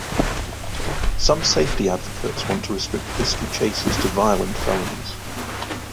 Some safety advocates want to restrict risky chases to violent felonies.